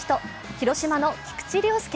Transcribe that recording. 広島の菊池涼介。